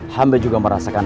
hampir juga merasakan